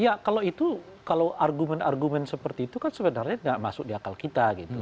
ya kalau itu kalau argumen argumen seperti itu kan sebenarnya tidak masuk di akal kita gitu